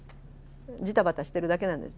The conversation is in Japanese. ジタバタしてるだけなんです。